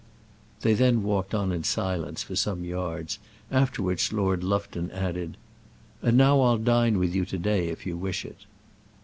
They then walked on in silence for some yards, after which Lord Lufton added: "And now I'll dine with you to day if you wish it."